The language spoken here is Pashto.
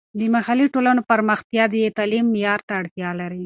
د محلي ټولنو پرمختیا د تعلیم معیار ته اړتیا لري.